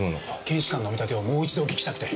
検視官のお見立てをもう一度お聞きしたくて。